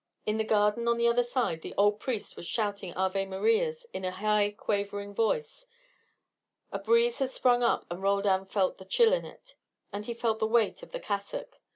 In the garden on the other side, the old priest was shouting Ave Marias in a high quavering voice. A breeze had sprung up and Roldan felt the chill in it. And he felt the weight of the cassock.